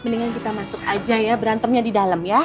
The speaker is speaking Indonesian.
mendingan kita masuk aja ya berantemnya di dalam ya